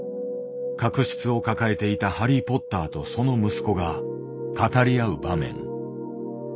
確執を抱えていたハリー・ポッターとその息子が語り合う場面。